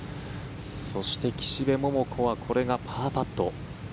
そして、岸部桃子はこれがパーパット。